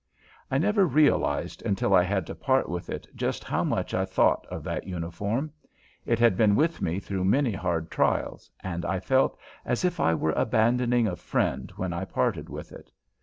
I never realized until I had to part with it just how much I thought of that uniform. It had been with me through many hard trials, and I felt as if I were abandoning a friend when I parted with it.